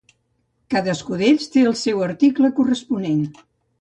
Cadascun d'ells té el seu article corresponent.